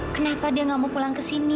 kenapa dia nggak mau pulang ke sini